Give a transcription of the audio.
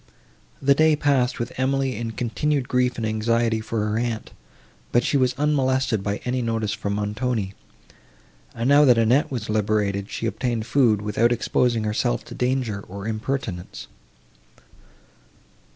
This day passed with Emily in continued grief and anxiety for her aunt; but she was unmolested by any notice from Montoni; and, now that Annette was liberated, she obtained food, without exposing herself to danger, or impertinence.